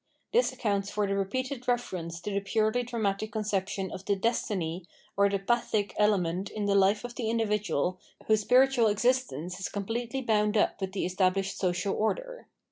This accounts for the re peated reference to the purely dramatic conception of the " destiny" or the "pathic" element in the life of the individual whose spiritual existence is completely bound up with the established social order.